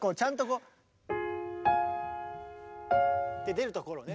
出るところをね